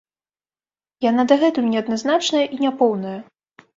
Яна дагэтуль неадназначная і няпоўная.